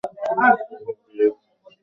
হ্যাঁ, প্রিয়, আমি লরা।